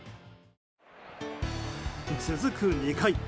続く２回。